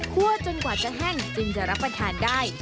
จนกว่าจะแห้งจึงจะรับประทานได้